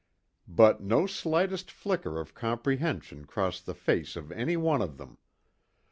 But no slightest flicker of comprehension crossed the face of any one of them.